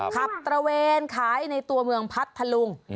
ตระเวนขายในตัวเมืองพัทธลุง